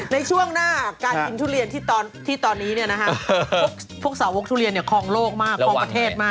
ในช่วงหน้าการกินทุเรียนที่ตอนนี้พวกสาวโบ๊คทุเรียนคล่องโลกมาก